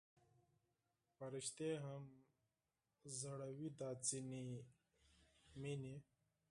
فرشتې هم ژړوي دا ځینې مینې